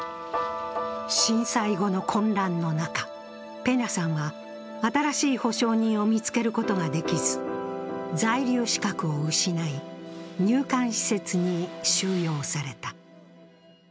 震災後の混乱の中、ペニャさんは新しい保証人を見つけることができず在留資格を失い、入管施設に収容された。